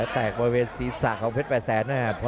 แตกบริเวณศีรษะของเพชรแปดแสนนะครับ